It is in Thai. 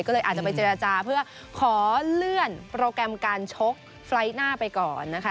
ก็เลยอาจจะไปเจรจาเพื่อขอเลื่อนโปรแกรมการชกไฟล์หน้าไปก่อนนะคะ